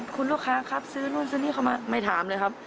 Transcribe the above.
คุณลูกค้าครับซื้อนู่นซื้อนี่เข้ามาไม่ถามเลยครับ